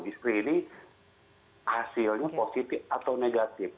istri ini hasilnya positif atau negatif